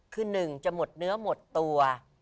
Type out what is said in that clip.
คือหนึ่งจะหมดเนื้อหมดตัว